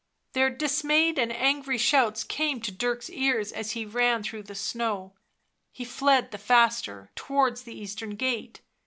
Their dis mayed and angry shouts came to Dirk's ears as he ran through the snow ; he fled the faster, towards the eastern gate.